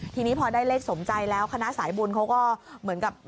ทีนี้พอได้เลขสมใจแล้วคณะสายบุญเขาก็เหมือนกับ